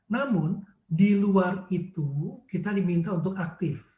namun di luar itu kita diminta untuk aktif